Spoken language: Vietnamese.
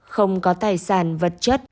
không có tài sản vật chất